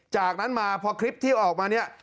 จากนั้นมาพอคลิปที่ออกมาเนี่ย